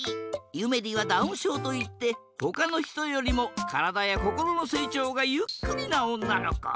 ゆめりはダウンしょうといってほかのひとよりもからだやこころのせいちょうがゆっくりなおんなのこ。